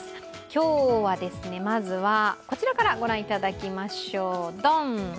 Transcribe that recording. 今日はまずは、こちらから御覧いただきましょう、どん！